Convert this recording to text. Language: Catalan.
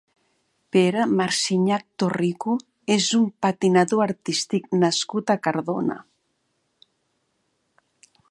Pere Marsinyach Torrico és un patinador artístic nascut a Cardona.